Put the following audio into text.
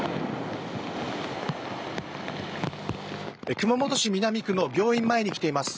熊本市南区の病院前に来ています。